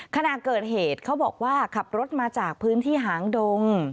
ขณะเกิดเหตุเขาบอกว่าขับรถมาจากพื้นที่หางดง